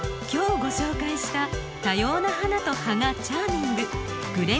今日ご紹介した「多様な花と葉がチャーミング！